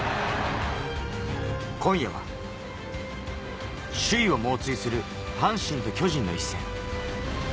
今夜は首位を猛追する阪神と巨人の一戦。